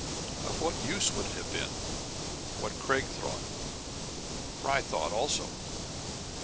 Of what use would it have been ? What Craig thought. Fry thought also.